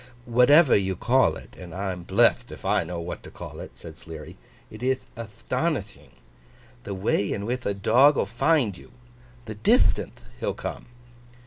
'Whatever you call it—and I'm bletht if I know what to call it'—said Sleary, 'it ith athtonithing. The way in whith a dog'll find you—the dithtanthe he'll come!